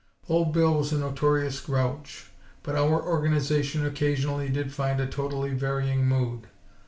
Old Bill was a notorious grouch; but our Organization occasionally did find a totally varying mood.